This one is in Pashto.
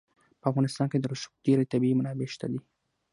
په افغانستان کې د رسوب ډېرې طبیعي منابع شته دي.